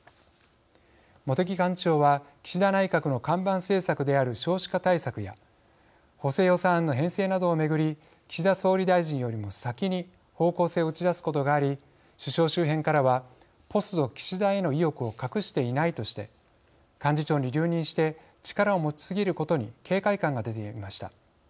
茂木幹事長は岸田内閣の看板政策である少子化対策や補正予算案の編成などを巡り岸田総理大臣よりも先に方向性を打ち出すことがあり首相周辺からはポスト岸田への意欲を隠していないとして幹事長に留任して力を持ち過ぎることに警戒感が出ていました。